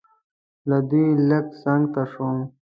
له دوی لږ څنګ ته شوم.